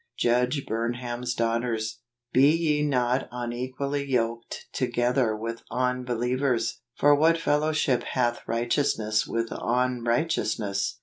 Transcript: Judge Burnham's Daughters. " Be ye not unequally yoked together with unbe¬ lievers: for what fellowship hath righteousness with unrighteousness